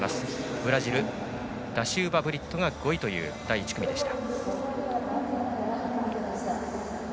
ブラジル、ダシウバブリットが５位という第１組でした。